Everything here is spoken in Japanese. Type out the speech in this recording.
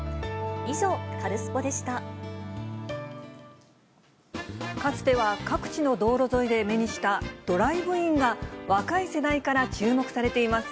以上、かつては各地の道路沿いで目にしたドライブインが、若い世代から注目されています。